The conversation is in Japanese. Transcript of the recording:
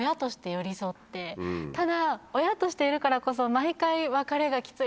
ただ親としているからこそ。